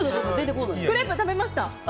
クレープ食べました。